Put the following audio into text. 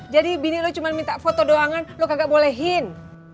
jadi bini lo cuma minta foto doangan lo kagak bolehin